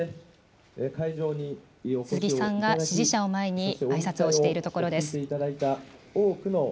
鈴木さんが支持者を前にあいさつをしているところです。